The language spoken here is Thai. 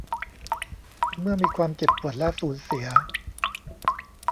เมื่อมีความเจ็บปวดและสูญเสีย